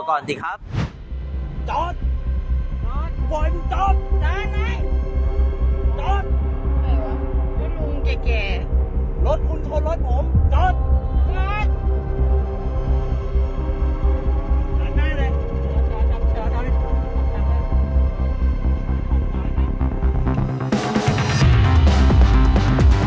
ก็เรียกมาดี